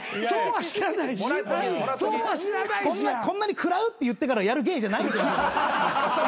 こんなに「食らう」って言ってからやる芸じゃない。